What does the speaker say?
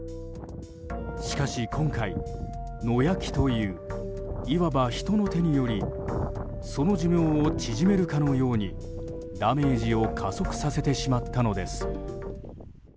しかし今回、野焼きといういわば人の手によりその寿命を縮めるかのようにダメージを加速させてしまったのです。